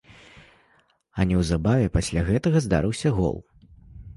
А неўзабаве пасля гэтага здарыўся гол.